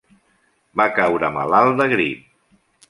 Va caure malalt de grip.